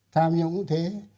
tham nhũng thế